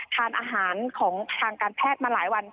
ทานอาหารของทางการแพทย์มาหลายวัน